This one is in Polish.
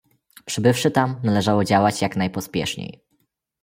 "Przybywszy tam, należało działać jak najpospieszniej."